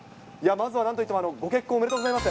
まずはなんといってもご結婚、おめでとうございます。